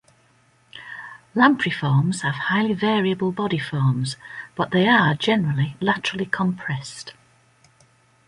Lampriforms have highly variable body forms, but they are generally laterally compressed.